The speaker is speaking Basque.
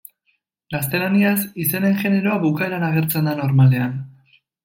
Gaztelaniaz, izenen generoa bukaeran agertzen da normalean.